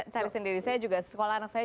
cari sendiri sekolah anak saya